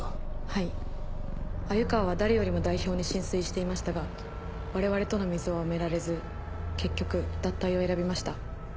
はい鮎川は誰よりも代表に心酔していましたが我々との溝は埋められず結局脱退を選びました。